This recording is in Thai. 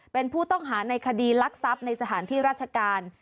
เป็นผู้ต้องหาในคดีลักทรัพย์ในสถานที่ราชการ